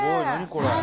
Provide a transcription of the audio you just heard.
これ。